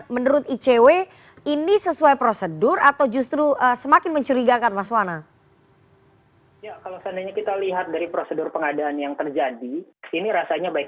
menurut icw ini sesuai prosedur atau justru semakin mencurigakan mas wana